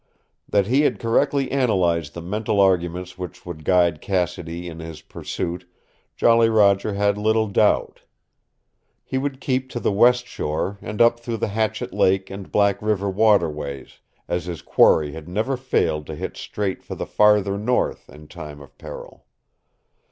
That he had correctly analyzed the mental arguments which would guide Cassidy in his pursuit Jolly Roger had little doubt. He would keep to the west shore, and up through the Hatchet Lake and Black River waterways, as his quarry had never failed to hit straight for the farther north in time of peril.